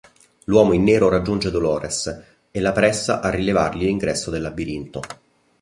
L'Uomo in Nero raggiunge Dolores e la pressa a rivelargli l'ingresso del labirinto.